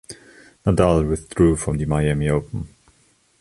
Nadal withdrew from the Miami Open.